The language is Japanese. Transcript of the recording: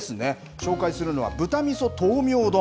紹介するのは豚みそ豆苗丼。